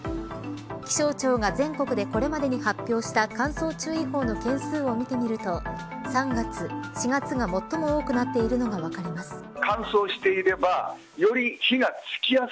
気象庁が全国でこれまでに発表した乾燥注意報の件数を見てみると３月、４月が最も多くなっているのが分かります。